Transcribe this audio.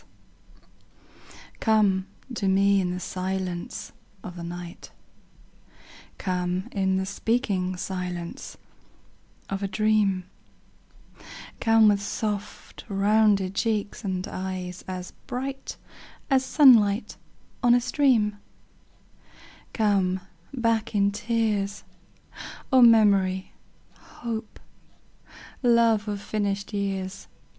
ECHO. Come to me in the silence of the night; Come in the speaking silence of a dream; Come with soft rounded cheeks and eyes as bright As sunlight on a stream; Come back in tears, O memory, hope, love of finished years.